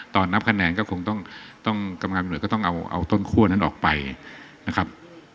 นับคะแนนก็คงต้องกรรมการตำรวจก็ต้องเอาต้นคั่วนั้นออกไปนะครับ